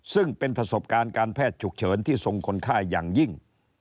ซึ่งเป็นประสบการณ์การแพทย์ฉุกเฉินที่ทรงคนไข้อย่างยิ่ง